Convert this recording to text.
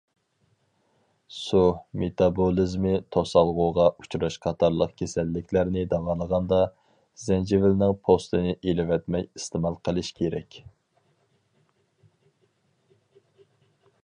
سۇ مېتابولىزمى توسالغۇغا ئۇچراش قاتارلىق كېسەللىكلەرنى داۋالىغاندا زەنجىۋىلنىڭ پوستىنى ئېلىۋەتمەي ئىستېمال قىلىش كېرەك.